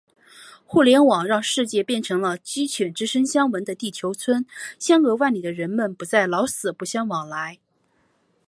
互联网让世界变成了“鸡犬之声相闻”的地球村，相隔万里的人们不再“老死不相往来”。